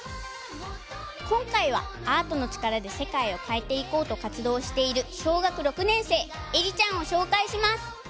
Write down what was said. こんかいはアートのちからでせかいをかえていこうとかつどうしているしょうがく６ねんせいえりちゃんをしょうかいします！